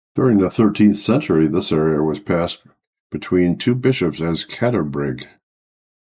During the thirteenth century this area was passed between two bishops as 'Caterbrig'.